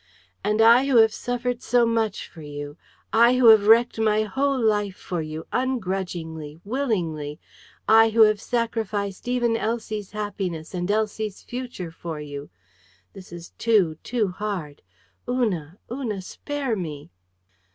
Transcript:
"and I, who have suffered so much for you! I, who have wrecked my whole life for you, ungrudgingly, willingly! I, who have sacrificed even Elsie's happiness and Elsie's future for you! This is too, too hard! Una, Una, spare me!"